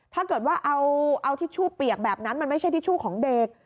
ถ้าเกิดว่าเอาทิชชู่เปียกแบบนั้นมันไม่ใช่ทิชชู่ของเด็ก